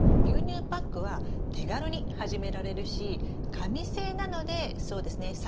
牛乳パックは手軽に始められるし紙製なのでそうですね